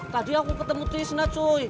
tadi aku ketemu tisna cuy